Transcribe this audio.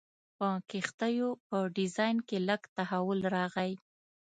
په کښتیو په ډیزاین کې لږ تحول راغی.